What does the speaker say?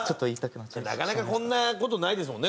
なかなかこんな事ないですもんね。